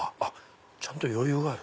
ちゃんと余裕がある。